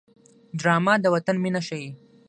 ډرامه د وطن مینه ښيي